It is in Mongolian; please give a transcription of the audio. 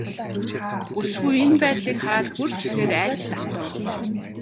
Бүсгүй энэ байдлыг хараад бүр ч ихээр айдаст автав.